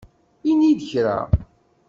Ini-d kra!